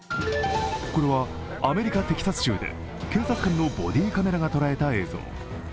これはアメリカ・テキサス州で警察官のボディーカメラが捉えた映像。